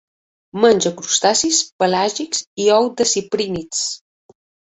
Menja crustacis pelàgics i ous de ciprínids.